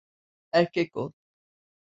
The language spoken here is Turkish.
Erkek ol!